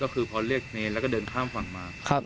ก็คือพอเรียกเนรแล้วก็เดินข้ามฝั่งมา